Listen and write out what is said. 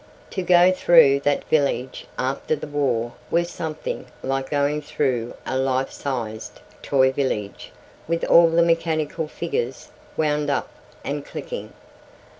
To go through that village after the war was something like going through a life sized toy village with all the mechanical figures wound up and clicking.